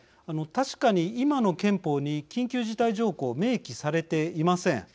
確かに今の憲法に緊急事態条項明記されていません。